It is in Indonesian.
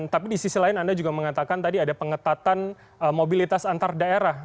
tapi di sisi lain anda juga mengatakan tadi ada pengetatan mobilitas antar daerah